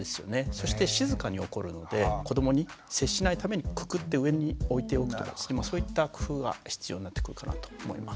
そして静かに起こるので子どもに接しないためにくくって上に置いておくとかそういった工夫は必要になってくるかなと思います。